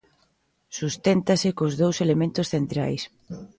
Susténtase con dous elementos centrais.